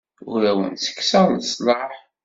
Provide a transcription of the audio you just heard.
Ur awent-ttekkseɣ leslaḥ.